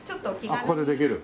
あっここでできる？